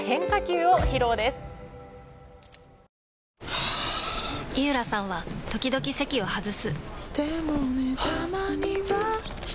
はぁ井浦さんは時々席を外すはぁ。